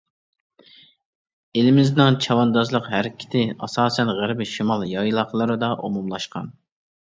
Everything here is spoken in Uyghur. ئېلىمىزنىڭ چەۋەندازلىق ھەرىكىتى ئاساسەن غەربىي شىمال يايلاقلىرىدا ئومۇملاشقان.